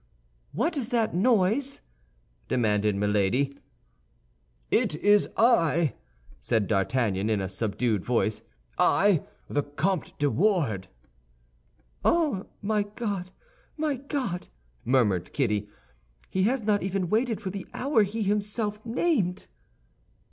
"What is that noise?" demanded Milady. "It is I," said D'Artagnan in a subdued voice, "I, the Comte de Wardes." "Oh, my God, my God!" murmured Kitty, "he has not even waited for the hour he himself named!"